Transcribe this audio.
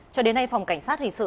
cho đến nay phòng cảnh sát hình sự